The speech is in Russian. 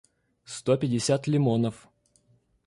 сто пятьдесят лимонов